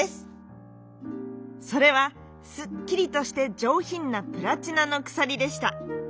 それはすっきりとしてじょうひんなプラチナのくさりでした。